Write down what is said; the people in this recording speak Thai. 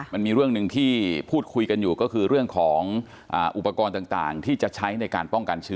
มันมีเรื่องหนึ่งที่พูดคุยกันอยู่ก็คือเรื่องของอุปกรณ์ต่างที่จะใช้ในการป้องกันเชื้อ